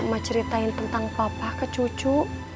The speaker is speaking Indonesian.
mama ceritain tentang papa ke cucu